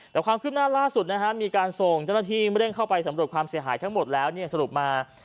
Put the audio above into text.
แต่ความคืบหน้าล่าสุดมีการส่งเจ้าหน้าที่เร่งเข้าไปสำรวจความเสียหายทั้งหมดแล้วสรุปมา